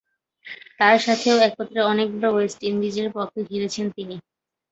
তার সাথেও একত্রে অনেকবার ওয়েস্ট ইন্ডিজের পক্ষে খেলেছেন তিনি।